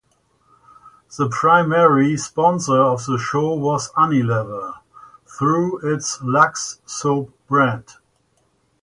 The primary sponsor of the show was Unilever through its Lux Soap brand.